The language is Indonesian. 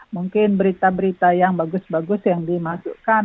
mungkin berita berita yang bagus bagus yang dimasukkan